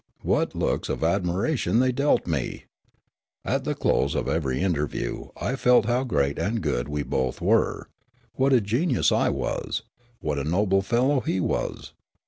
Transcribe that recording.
What looks of admiration they dealt me ! At the close of every interview I felt how great and good we both were, what a genius I was, what a noble fellow he was.